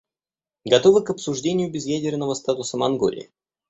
Готовы к обсуждению безъядерного статуса Монголии.